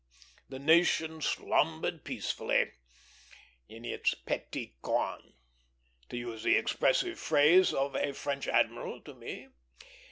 The nation slumbered peacefully in its "petit coin," to use the expressive phrase of a French admiral to me.